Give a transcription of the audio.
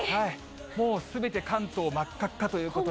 もう、すべて関東まっかっかということで。